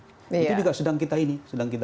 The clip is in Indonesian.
itu juga sedang kita ini